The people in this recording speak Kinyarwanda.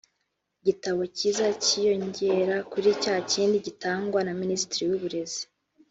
igitabo kiza kiyongera kuri cya kindi gitangwa na Minisiteri y’Uburezi